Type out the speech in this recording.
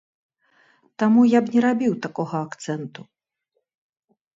Таму я б не рабіў такога акцэнту.